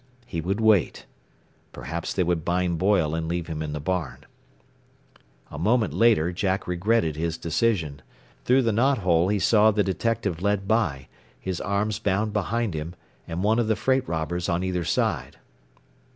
He would wait. Perhaps they would bind Boyle and leave him in the barn. A moment later Jack regretted his decision. Through the knot hole he saw the detective led by, his arms bound behind him, and one of the freight robbers on either side.